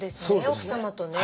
奥様とね。